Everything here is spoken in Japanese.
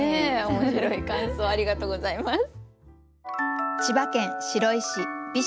面白い感想ありがとうございます。